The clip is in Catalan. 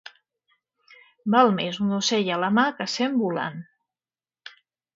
Val més un ocell a la mà que cent volant.